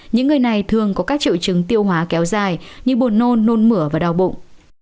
những người này thường có các triệu chứng tiêu hóa kéo dài như buồn nôn nôn mửa và đau bụng